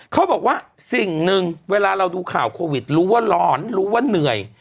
เขาบอกว่าสิ่งหนึ่งเวลาเราดูข่าวโควิดรู้ว่าร้อนรู้ว่าเหนื่อย